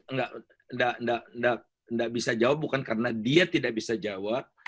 nggak bisa jawab bukan karena dia tidak bisa jawab